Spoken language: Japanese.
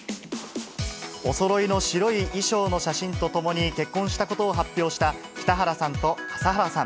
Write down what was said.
おそろいの白い衣装の写真とともに結婚したことを発表した、北原さんと笠原さん。